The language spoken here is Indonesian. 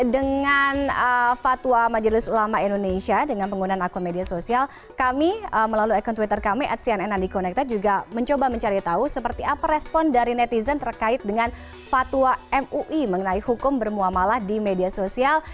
dengan fatwa majelis ulama indonesia dengan penggunaan akun media sosial kami melalui akun twitter kami at cnn undi connected juga mencoba mencari tahu seperti apa respon dari netizen terkait dengan fatwa mui mengenai hukum bermuamalah di media sosial